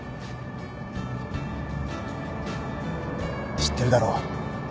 知ってるだろ？